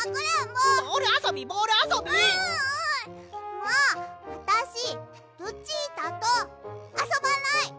もうあたしルチータとあそばない！